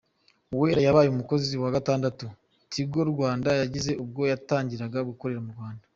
Uwera yabaye umukozi wa gatandatu Tigo Rwanda yagize ubwo yatangiraga gukorera mu Rwanda.